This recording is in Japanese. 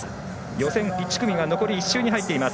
予選１組が残り１周に入っています。